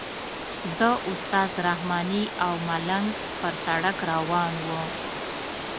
زه استاد رحماني او ملنګ پر سړک روان وو.